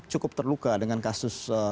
cukup terluka dengan kasus